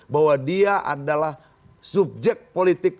bahwa dia adalah subjek politik